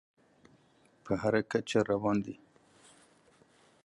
په هر کچ روان دى.